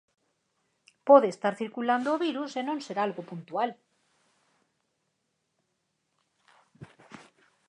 Pode estar circulando o virus e non ser algo puntual.